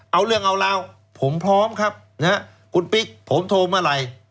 เอาเรื่องเอาราวผมพร้อมครับคุณปิ๊กผมโทรมาลัย